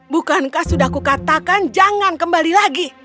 bukankah sudah kukatakan jangan kembali lagi